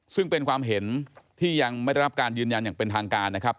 ซึ่งเป็นความเห็นที่ยังไม่ได้รับการยืนยันอย่างเป็นทางการนะครับ